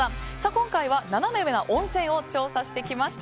今回は、ナナメ上な温泉を調査してきました。